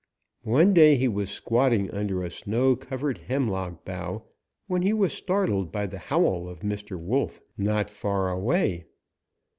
One day he was squatting under a snow covered hemlock bough when he was startled by the howl of Mr. Wolf not far away.